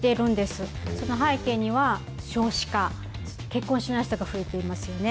その背景には、少子化、結婚しない人が増えていますよね。